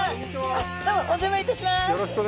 どうもお邪魔いたします。